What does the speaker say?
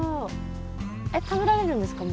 えっ食べられるんですかね？